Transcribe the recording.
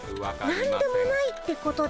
何でもないってことで。